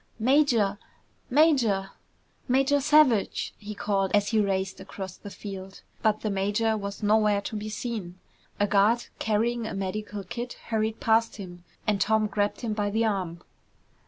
"Major! Major! Major Savage!" he called as he raced across the field. But the major was nowhere to be seen. A guard carrying a medical kit hurried past him and Tom grabbed him by the arm.